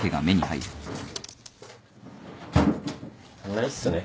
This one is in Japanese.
ないっすね。